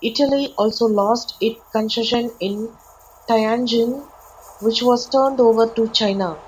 Italy also lost its concession in Tianjin, which was turned over to China.